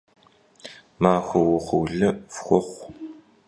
Maxue vuğurlı fxuxhu!